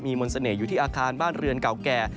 มนต์เสน่ห์อยู่ที่อาคารบ้านเรือนเก่าแก่